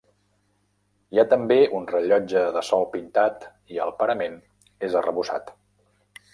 Hi ha també un rellotge de sol pintat i el parament és arrebossat.